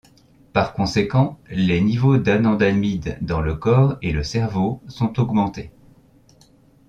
Par conséquent, les niveaux d'anandamide dans le corps et le cerveau sont augmentés.